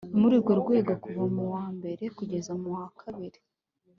Ni muri urwo rwego kuva mu wa mbere kugeza mu wa kabiri